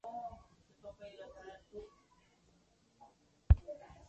El premio fue creado por la Academy of Wrestling Arts and Sciences.